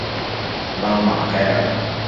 拉马盖尔。